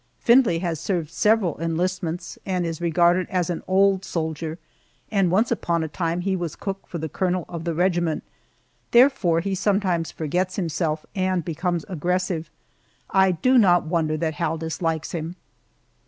Findlay has served several enlistments, and is regarded as an old soldier, and once upon a time he was cook for the colonel of the regiment, therefore he sometimes forgets himself and becomes aggressive. I do not wonder that Hal dislikes him.